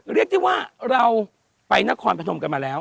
เรียกได้ว่าเราไปนครพนมกันมาแล้ว